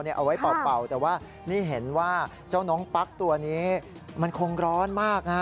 เอาไว้เป่าแต่ว่านี่เห็นว่าเจ้าน้องปั๊กตัวนี้มันคงร้อนมากนะฮะ